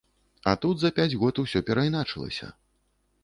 А тут за пяць год усё перайначылася.